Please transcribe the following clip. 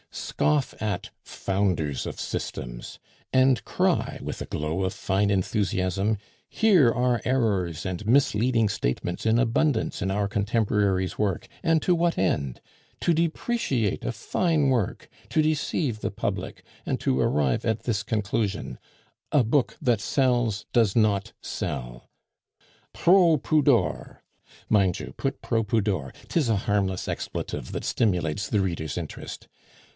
"Scoff at Founders of Systems. And cry with a glow of fine enthusiasm, 'Here are errors and misleading statements in abundance in our contemporary's work, and to what end? To depreciate a fine work, to deceive the public, and to arrive at this conclusion "A book that sells, does not sell."' Proh pudor! (Mind you put Proh pudor! 'tis a harmless expletive that stimulates the reader's interest.)